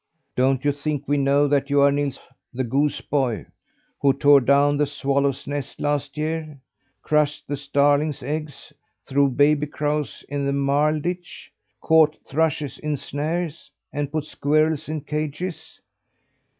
"Don't you think we know that you are Nils the goose boy, who tore down the swallow's nest last year, crushed the starling's eggs, threw baby crows in the marl ditch, caught thrushes in snares, and put squirrels in cages?